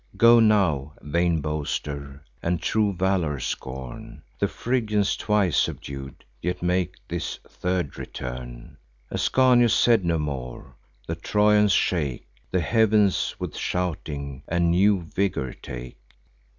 "Go now, vain boaster, and true valour scorn! The Phrygians, twice subdued, yet make this third return." Ascanius said no more. The Trojans shake The heav'ns with shouting, and new vigour take.